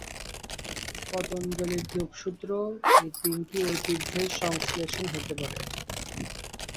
পতঞ্জলির যোগসূত্র এই তিনটি ঐতিহ্যের সংশ্লেষণ হতে পারে।